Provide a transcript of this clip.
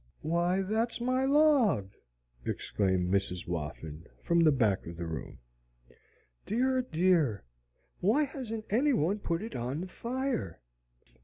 "Why, that's my log!" exclaimed Mrs. Whoffin, from the back of the room. "Dear! dear! Why hasn't anyone put it on the fire?"